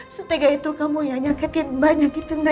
setelah itu kamu yang nyakitin mbak nyakitin rena